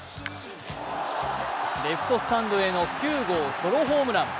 レフトスタンドへの９号ソロホームラン。